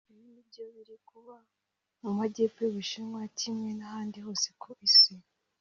Ibi ni byo biri kuba mu majyepfo y’u Bushinwa kimwe n’ahandi hose ku isi